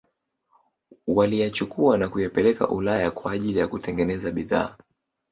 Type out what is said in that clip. waliyachukua na kuyapeleka Ulaya kwa ajili ya kutengeneza bidhaa